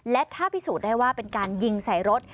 และถ้าพิสูจน์ได้ว่าเป็นการยิงใส่รถ